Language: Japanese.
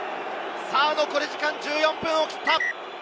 残り時間１４分を切った。